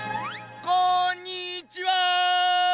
こんにちは！